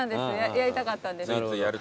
やりたかったんです。